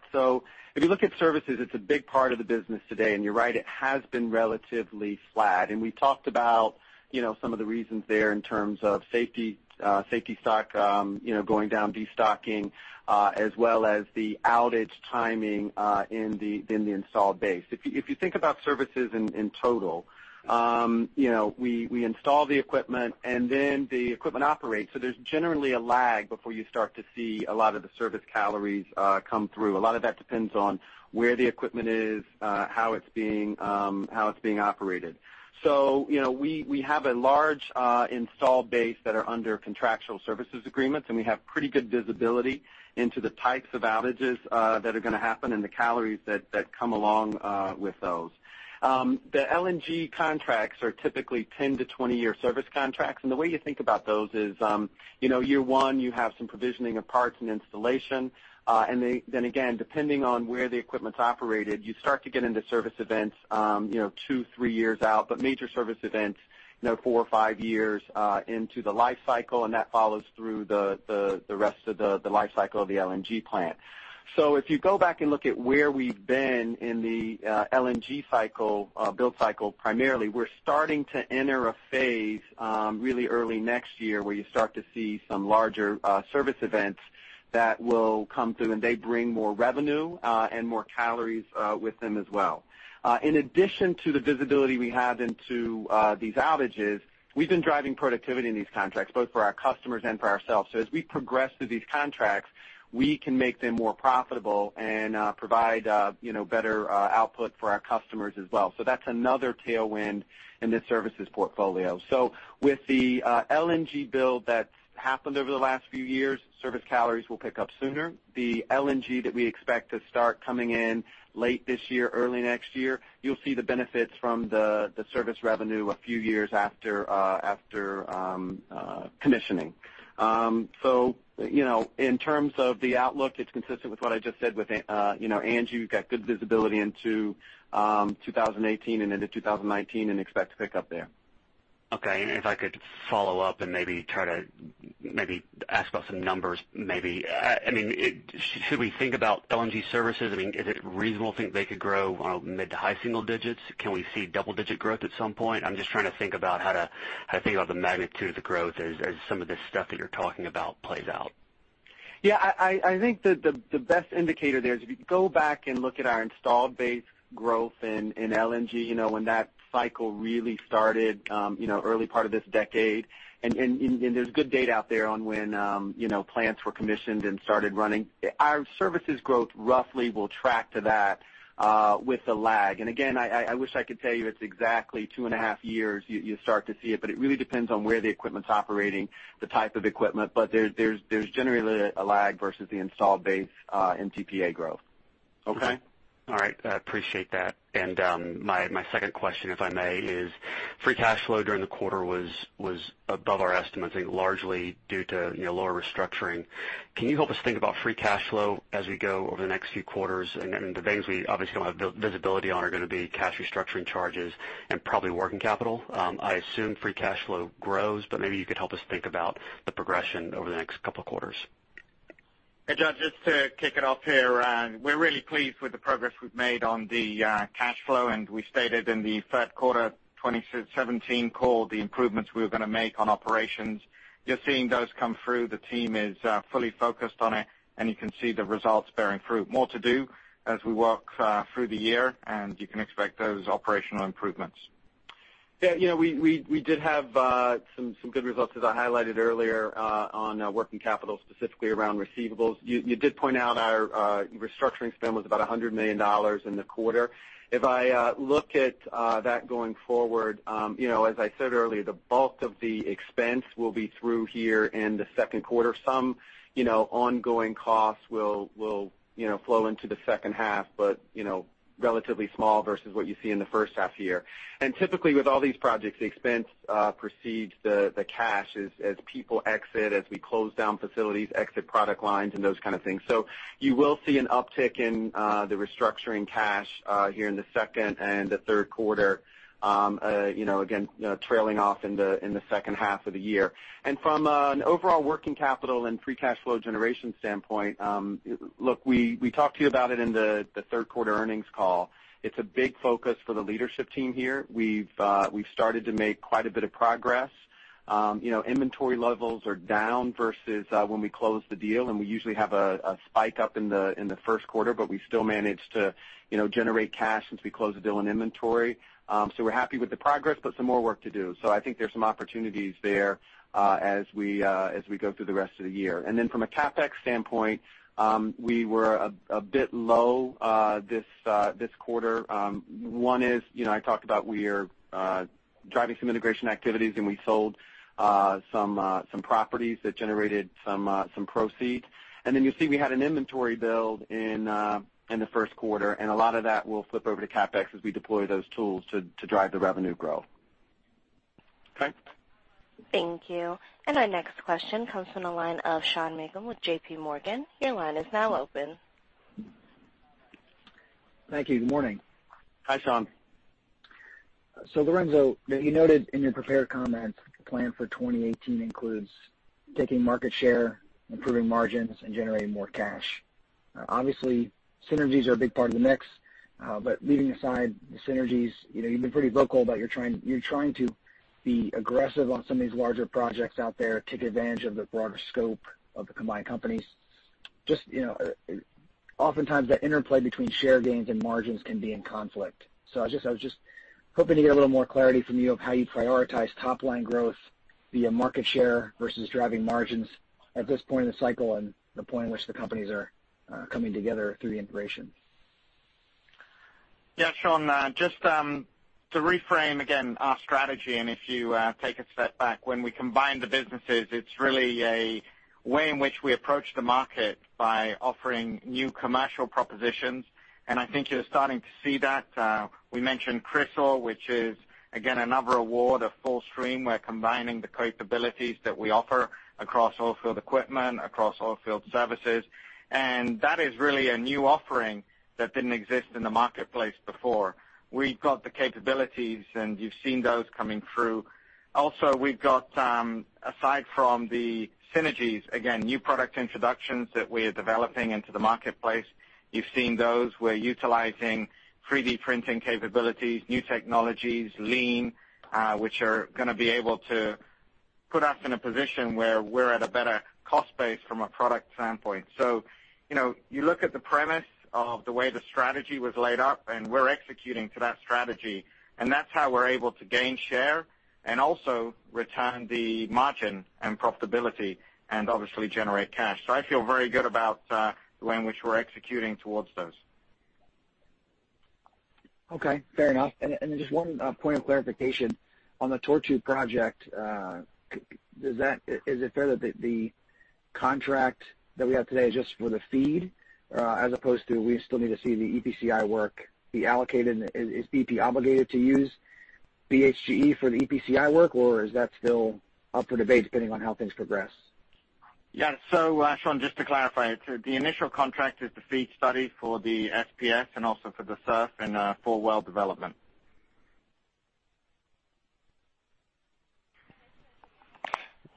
If you look at services, it's a big part of the business today, and you're right, it has been relatively flat. We talked about some of the reasons there in terms of safety stock going down, destocking, as well as the outage timing in the installed base. If you think about services in total, we install the equipment and then the equipment operates. There's generally a lag before you start to see a lot of the service calories come through. A lot of that depends on where the equipment is, how it's being operated. We have a large installed base that are under contractual services agreements, and we have pretty good visibility into the types of outages that are going to happen and the calories that come along with those. The LNG contracts are typically 10-to-20 year service contracts, and the way you think about those is year one, you have some provisioning of parts and installation. Depending on where the equipment's operated, you start to get into service events two, three years out, but major service events four or five years into the life cycle, and that follows through the rest of the life cycle of the LNG plant. If you go back and look at where we've been in the LNG cycle, build cycle primarily, we're starting to enter a phase really early next year where you start to see some larger service events that will come through, and they bring more revenue and more calories with them as well. In addition to the visibility we have into these outages, we've been driving productivity in these contracts, both for our customers and for ourselves. As we progress through these contracts, we can make them more profitable and provide better output for our customers as well. That's another tailwind in this services portfolio. With the LNG build that's happened over the last few years, service calories will pick up sooner. The LNG that we expect to start coming in late this year, early next year, you'll see the benefits from the service revenue a few years after commissioning. In terms of the outlook, it's consistent with what I just said with Angie. We've got good visibility into 2018 and into 2019 and expect to pick up there. If I could follow up and maybe try to ask about some numbers maybe. Should we think about LNG services? Is it reasonable to think they could grow mid- to high-single digits? Can we see double-digit growth at some point? I'm just trying to think about how to think about the magnitude of the growth as some of this stuff that you're talking about plays out. I think the best indicator there is if you go back and look at our installed base growth in LNG, when that cycle really started early part of this decade, there's good data out there on when plants were commissioned and started running. Our services growth roughly will track to that with a lag. Again, I wish I could tell you it's exactly two and a half years, you start to see it, but it really depends on where the equipment's operating, the type of equipment. There's generally a lag versus the installed base in MTPA growth. Okay. All right. I appreciate that. My second question, if I may, is free cash flow during the quarter was above our estimate, I think largely due to lower restructuring. Can you help us think about free cash flow as we go over the next few quarters? The things we obviously don't have visibility on are going to be cash restructuring charges and probably working capital. I assume free cash flow grows, but maybe you could help us think about the progression over the next couple of quarters. Hey, Jud, just to kick it off here. We're really pleased with the progress we've made on the cash flow, we stated in the third quarter 2017 call the improvements we were going to make on operations. You're seeing those come through. The team is fully focused on it, you can see the results bearing fruit. More to do as we work through the year, you can expect those operational improvements. We did have some good results, as I highlighted earlier, on working capital, specifically around receivables. You did point out our restructuring spend was about $100 million in the quarter. If I look at that going forward, as I said earlier, the bulk of the expense will be through here in the second quarter. Some ongoing costs will flow into the second half, but relatively small versus what you see in the first half here. Typically, with all these projects, the expense precedes the cash as people exit, as we close down facilities, exit product lines, and those kind of things. You will see an uptick in the restructuring cash here in the second and the third quarter. Again, trailing off in the second half of the year. From an overall working capital and free cash flow generation standpoint, look, we talked to you about it in the third quarter earnings call. It's a big focus for the leadership team here. We've started to make quite a bit of progress. Inventory levels are down versus when we closed the deal, and we usually have a spike up in the first quarter, but we still managed to generate cash since we closed the deal on inventory. We're happy with the progress, but some more work to do. I think there's some opportunities there as we go through the rest of the year. From a CapEx standpoint, we were a bit low this quarter. One is, I talked about we are driving some integration activities, and we sold some properties that generated some proceeds. You'll see we had an inventory build in the first quarter, and a lot of that will flip over to CapEx as we deploy those tools to drive the revenue growth. Okay. Thank you. Our next question comes from the line of Sean Meakim with J.P. Morgan. Your line is now open. Thank you. Good morning. Hi, Sean. Lorenzo, you noted in your prepared comments the plan for 2018 includes taking market share, improving margins, and generating more cash. Obviously, synergies are a big part of the mix. Leaving aside the synergies, you've been pretty vocal about you're trying to be aggressive on some of these larger projects out there, take advantage of the broader scope of the combined companies. Just oftentimes that interplay between share gains and margins can be in conflict. I was just hoping to get a little more clarity from you of how you prioritize top-line growth via market share versus driving margins at this point in the cycle and the point in which the companies are coming together through the integration. Yeah, Sean, just to reframe again our strategy. If you take a step back, when we combine the businesses, it's really a way in which we approach the market by offering new commercial propositions, and I think you're starting to see that. We mentioned Crystal, which is again, another award, a full stream. We're combining the capabilities that we offer across oil field equipment, across oil field services, and that is really a new offering that didn't exist in the marketplace before. We got the capabilities, and you've seen those coming through. Also, we've got, aside from the synergies, again, new product introductions that we are developing into the marketplace. You've seen those. We're utilizing 3D printing capabilities, new technologies, lean which are going to be able to put us in a position where we're at a better cost base from a product standpoint. You look at the premise of the way the strategy was laid out, and we're executing to that strategy, and that's how we're able to gain share and also return the margin and profitability and obviously generate cash. I feel very good about the way in which we're executing towards those. Okay, fair enough. Then just one point of clarification. On the Tortue project, is it fair that the contract that we have today is just for the FEED, as opposed to we still need to see the EPCI work be allocated? Is BP obligated to use BHGE for the EPCI work, or is that still up for debate depending on how things progress? Yeah. Sean, just to clarify, the initial contract is the FEED study for the FPSO and also for the SURF and four well development.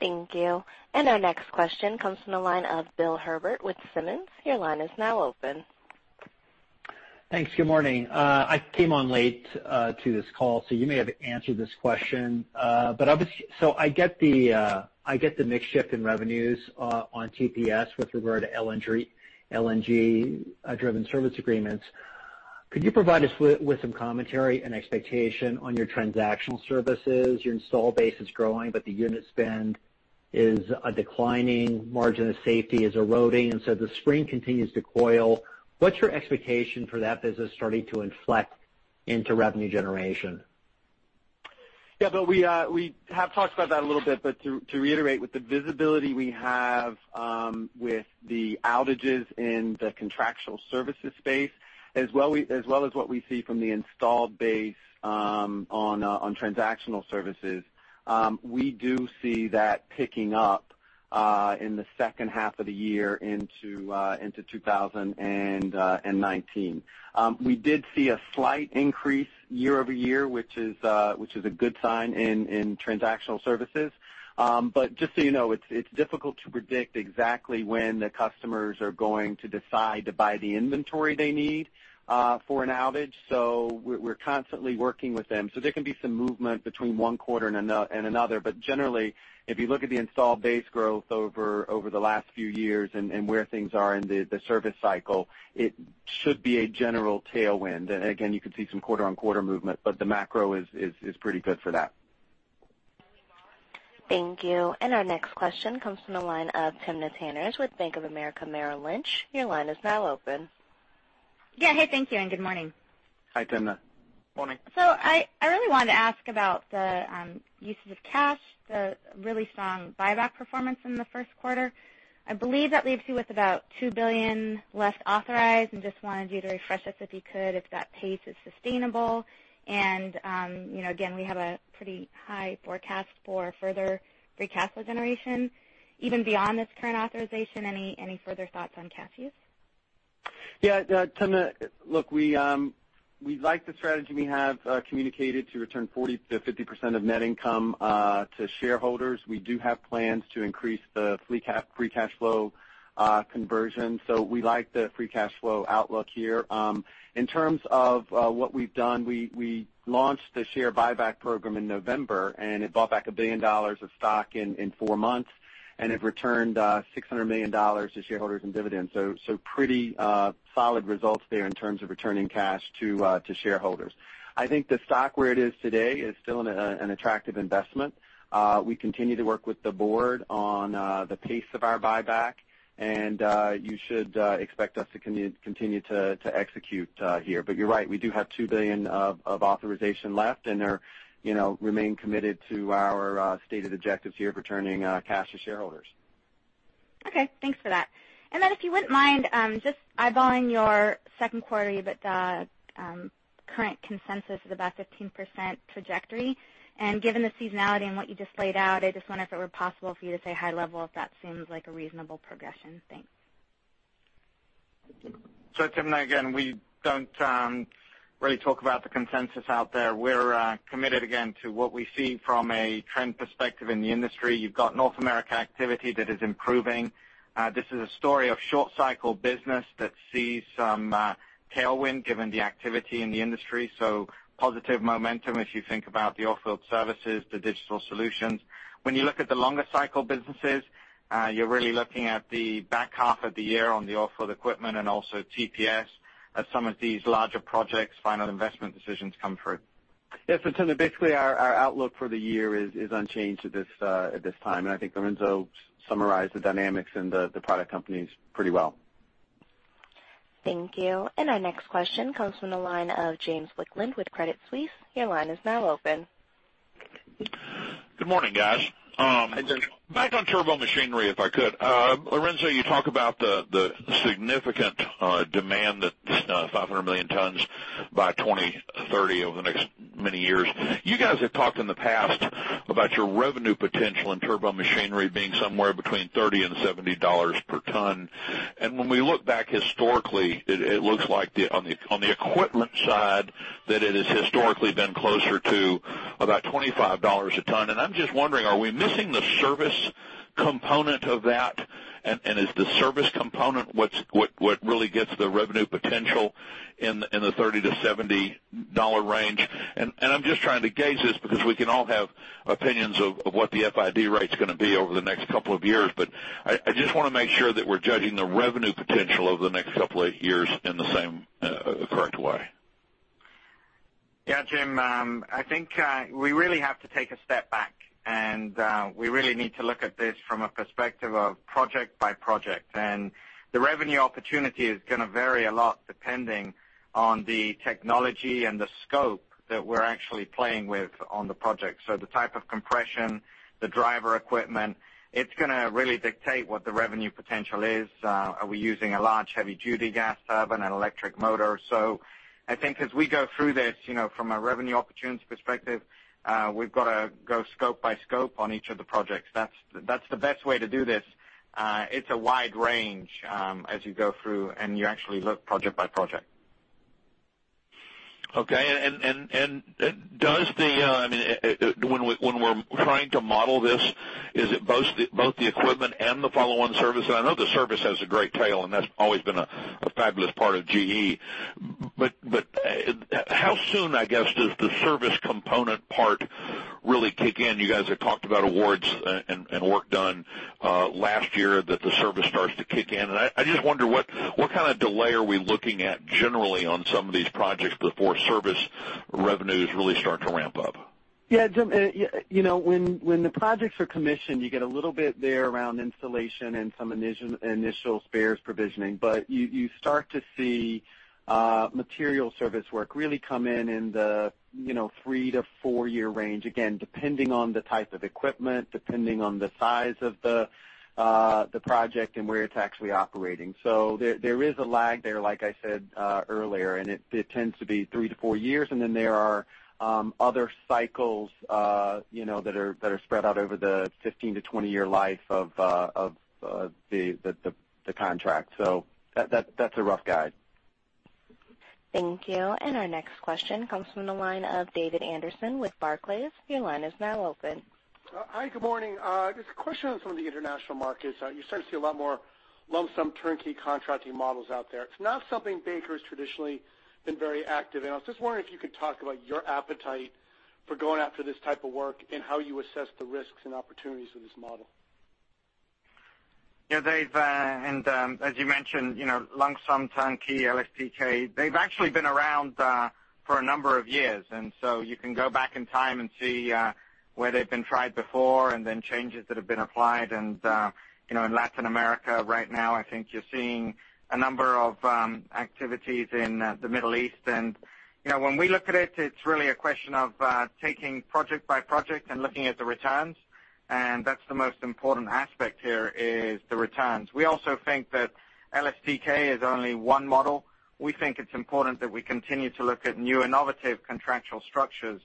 Thank you. Our next question comes from the line of Bill Herbert with Simmons. Your line is now open. Thanks. Good morning. I came on late to this call, you may have answered this question. I get the mix shift in revenues on TPS with regard to LNG-driven service agreements. Could you provide us with some commentary and expectation on your transactional services? Your install base is growing, but the unit spend is declining, margin of safety is eroding, and so the spring continues to coil. What's your expectation for that business starting to inflect into revenue generation? Bill, we have talked about that a little bit, to reiterate, with the visibility we have with the outages in the contractual services space, as well as what we see from the installed base on transactional services, we do see that picking up in the second half of the year into 2019. We did see a slight increase year-over-year, which is a good sign in transactional services. Just so you know, it's difficult to predict exactly when the customers are going to decide to buy the inventory they need for an outage. We're constantly working with them. There can be some movement between one quarter and another. Generally, if you look at the installed base growth over the last few years and where things are in the service cycle, it should be a general tailwind. Again, you can see some quarter-on-quarter movement, the macro is pretty good for that. Thank you. Our next question comes from the line of Timna Tanners with Bank of America Merrill Lynch. Your line is now open. Hey, thank you, good morning. Hi, Timna. Morning. I really wanted to ask about the uses of cash, the really strong buyback performance in the first quarter. I believe that leaves you with about $2 billion left authorized, and just wanted you to refresh us, if you could, if that pace is sustainable. Again, we have a pretty high forecast for further free cash flow generation, even beyond this current authorization. Any further thoughts on cash use? Yeah. Timna, look, we like the strategy we have communicated to return 40%-50% of net income to shareholders. We do have plans to increase the free cash flow conversion. We like the free cash flow outlook here. In terms of what we've done, we launched the share buyback program in November, and it bought back $1 billion of stock in four months, and it returned $600 million to shareholders in dividends. Pretty solid results there in terms of returning cash to shareholders. I think the stock, where it is today, is still an attractive investment. We continue to work with the board on the pace of our buyback, and you should expect us to continue to execute here. You're right, we do have $2 billion of authorization left, and remain committed to our stated objectives here of returning cash to shareholders. Okay. Thanks for that. Then if you wouldn't mind, just eyeballing your second quarter, you've got the current consensus is about 15% trajectory. Given the seasonality and what you just laid out, I just wonder if it were possible for you to say high level if that seems like a reasonable progression. Thanks. Timna, again, we don't really talk about the consensus out there. We're committed, again, to what we see from a trend perspective in the industry. You've got North American activity that is improving. This is a story of short cycle business that sees some tailwind given the activity in the industry. Positive momentum as you think about the off-field services, the digital solutions. When you look at the longer cycle businesses, you're really looking at the back half of the year on the off-field equipment and also TPS as some of these larger projects, final investment decisions come through. Yes. Timna, basically our outlook for the year is unchanged at this time. I think Lorenzo summarized the dynamics in the product companies pretty well. Thank you. Our next question comes from the line of James Wicklund with Credit Suisse. Your line is now open. Good morning, guys. Hi, James. Back on Turbomachinery, if I could. Lorenzo, you talk about the significant demand that 500 million tons by 2030, over the next many years. You guys have talked in the past about your revenue potential in Turbomachinery being somewhere between $30 and $70 per ton. When we look back historically, it looks like on the equipment side, that it has historically been closer to about $25 a ton. I'm just wondering, are we missing the service component of that? Is the service component what really gets the revenue potential in the $30 to $70 range? I'm just trying to gauge this because we can all have opinions of what the FID rate's going to be over the next couple of years. I just want to make sure that we're judging the revenue potential over the next couple of years in the same correct way. Yeah, Jim. I think we really have to take a step back, we really need to look at this from a perspective of project by project. The revenue opportunity is going to vary a lot depending on the technology and the scope that we're actually playing with on the project. The type of compression, the driver equipment, it's going to really dictate what the revenue potential is. Are we using a large heavy-duty gas turbine, an electric motor? I think as we go through this from a revenue opportunity perspective, we've got to go scope by scope on each of the projects. That's the best way to do this. It's a wide range as you go through and you actually look project by project. Okay. When we're trying to model this, is it both the equipment and the follow-on service? I know the service has a great tail, and that's always been a fabulous part of GE. How soon, I guess, does the service component part really kick in? You guys have talked about awards and work done last year that the service starts to kick in. I just wonder what kind of delay are we looking at generally on some of these projects before service revenues really start to ramp up? Yeah, Jim. When the projects are commissioned, you get a little bit there around installation and some initial spares provisioning. You start to see material service work really come in in the 3- to 4-year range, again, depending on the type of equipment, depending on the size of the project, and where it's actually operating. There is a lag there, like I said earlier, and it tends to be 3 to 4 years, and then there are other cycles that are spread out over the 15- to 20-year life of the contract. That's a rough guide. Thank you. Our next question comes from the line of David Anderson with Barclays. Your line is now open. Hi, good morning. Just a question on some of the international markets. You're starting to see a lot more lump-sum turnkey contracting models out there. It's not something Baker's traditionally been very active in. I was just wondering if you could talk about your appetite for going after this type of work, and how you assess the risks and opportunities of this model. Dave, as you mentioned, lump sum turnkey, LSTK, they've actually been around for a number of years. You can go back in time and see where they've been tried before, and then changes that have been applied. In Latin America right now, I think you're seeing a number of activities in the Middle East. When we look at it's really a question of taking project by project and looking at the returns. That's the most important aspect here is the returns. We also think that LSTK is only one model. We think it's important that we continue to look at new innovative contractual structures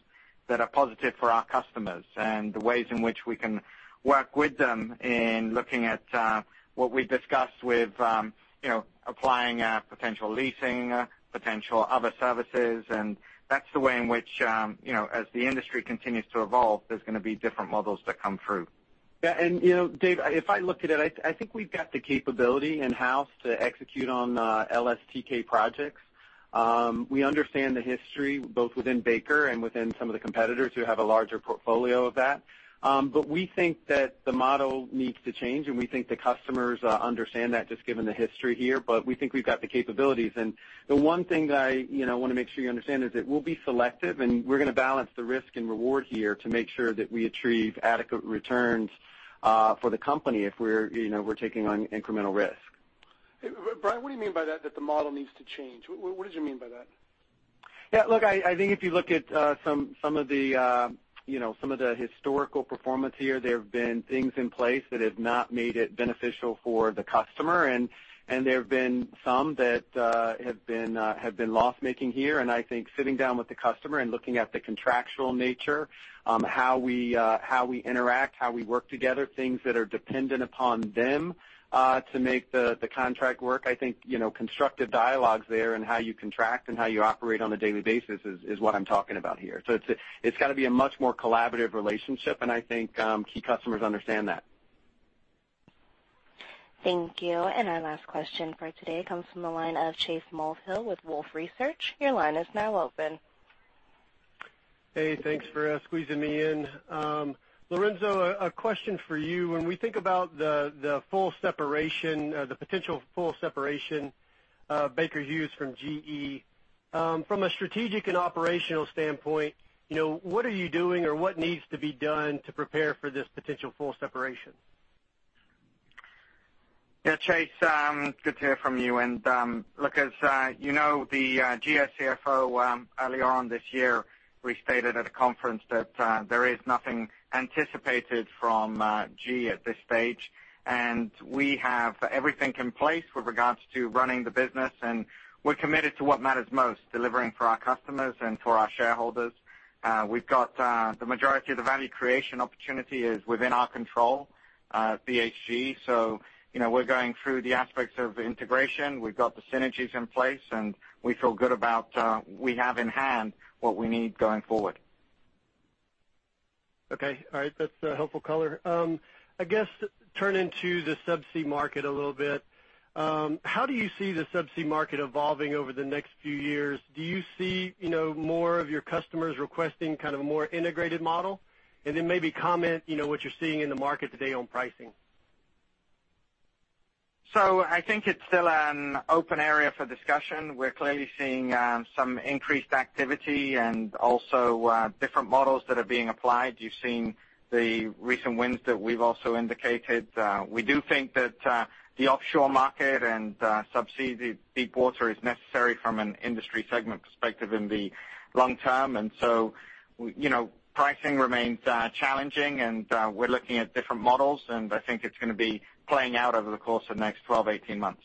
that are positive for our customers, and the ways in which we can work with them in looking at what we discussed with applying potential leasing, potential other services. That's the way in which, as the industry continues to evolve, there's going to be different models that come through. Dave, if I look at it, I think we've got the capability in-house to execute on LSTK projects. We understand the history, both within Baker and within some of the competitors who have a larger portfolio of that. We think that the model needs to change, and we think the customers understand that, just given the history here. We think we've got the capabilities. The one thing that I want to make sure you understand is that we'll be selective, and we're going to balance the risk and reward here to make sure that we achieve adequate returns for the company if we're taking on incremental risk. Brian, what do you mean by that the model needs to change? What did you mean by that? Yeah, look, I think if you look at some of the historical performance here, there have been things in place that have not made it beneficial for the customer. There have been some that have been loss-making here. I think sitting down with the customer and looking at the contractual nature, how we interact, how we work together, things that are dependent upon them to make the contract work. I think constructive dialogues there and how you contract and how you operate on a daily basis is what I'm talking about here. It's got to be a much more collaborative relationship, and I think key customers understand that. Thank you. Our last question for today comes from the line of Chase Mulvehill with Wolfe Research. Your line is now open. Hey, thanks for squeezing me in. Lorenzo, a question for you. When we think about the potential full separation of Baker Hughes from GE, from a strategic and operational standpoint, what are you doing or what needs to be done to prepare for this potential full separation? Yeah, Chase, good to hear from you. Look, as you know, the GE CFO earlier on this year restated at a conference that there is nothing anticipated from GE at this stage. We have everything in place with regards to running the business, and we're committed to what matters most, delivering for our customers and for our shareholders. We've got the majority of the value creation opportunity is within our control at BHGE. We're going through the aspects of integration. We've got the synergies in place, and we feel good about we have in hand what we need going forward. Okay. All right. That's a helpful color. I guess, turning to the subsea market a little bit, how do you see the subsea market evolving over the next few years? Do you see more of your customers requesting a more integrated model? Then maybe comment what you're seeing in the market today on pricing. I think it's still an open area for discussion. We're clearly seeing some increased activity and also different models that are being applied. You've seen the recent wins that we've also indicated. We do think that the offshore market and subsea deep water is necessary from an industry segment perspective in the long term. Pricing remains challenging, and we're looking at different models, and I think it's going to be playing out over the course of the next 12, 18 months.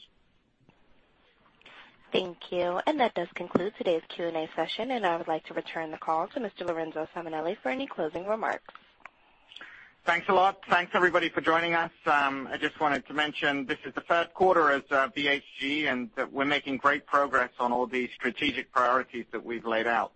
Thank you. That does conclude today's Q&A session, and I would like to return the call to Mr. Lorenzo Simonelli for any closing remarks. Thanks a lot. Thanks everybody for joining us. I just wanted to mention this is the first quarter as BHGE, and we're making great progress on all the strategic priorities that we've laid out.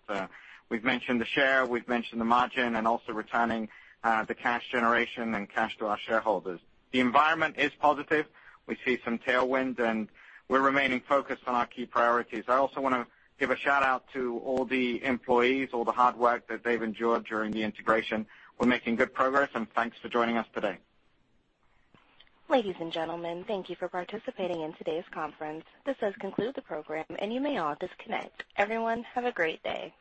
We've mentioned the share, we've mentioned the margin, and also returning the cash generation and cash to our shareholders. The environment is positive. We see some tailwinds, and we're remaining focused on our key priorities. I also want to give a shout-out to all the employees, all the hard work that they've endured during the integration. We're making good progress, and thanks for joining us today. Ladies and gentlemen, thank you for participating in today's conference. This does conclude the program, and you may all disconnect. Everyone, have a great day.